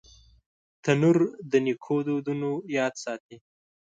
تنور د نیکو دودونو یاد ساتي